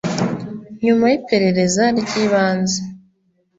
nyuma y iperereza ry ibanze